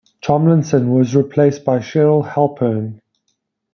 Tomlinson was replaced by Cheryl Halpern.